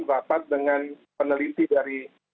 rapat dengan peneliti dari